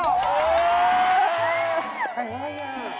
โอ้โฮแย่